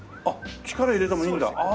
あっ力入れてもいいんだ。